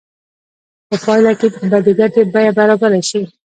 په پایله کې به د ګټې بیه برابره شي